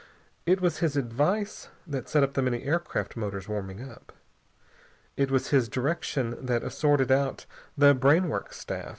It was his advice that set the many aircraft motors warming up. It was his direction that assorted out the brainwork staff.